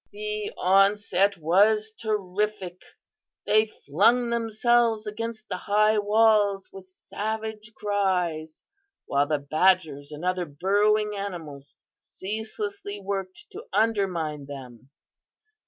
The onset was terrific. They flung themselves against the high walls with savage cries, while the badgers and other burrowing animals ceaselessly worked to undermine them.